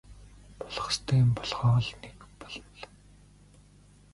Болох ёстой юм болохоо л нэг болно.